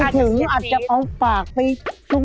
คิดถึงอาจจะเอาผากไปซุ่ม